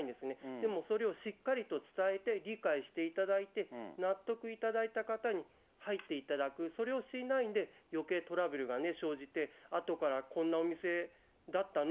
でも、それをしっかりと伝えて、理解していただいて、納得いただいた方に入っていただく、それをしていないんで、よけいトラブルが生じて、あとからこんなお店だったの？